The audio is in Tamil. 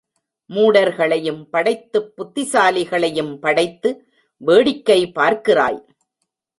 மூடர்களையும் படைத்துப் புத்திசாலிகளையும் படைத்து வேடிக்கை பார்க்கிறாய்!